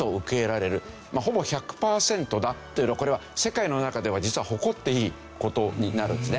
ほぼ１００パーセントだというのはこれは世界の中では実は誇っていい事になるんですね。